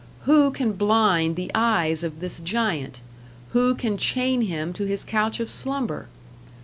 Who can blind the eyes of this giant, who can chain him to his couch of slumber?